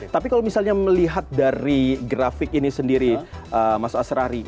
tapi kalau misalnya melihat dari grafik ini sendiri mas asrarri